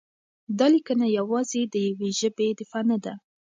دا لیکنه یوازې د یوې ژبې دفاع نه ده؛